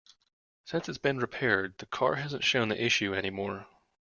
Since it's been repaired, the car hasn't shown the issue any more.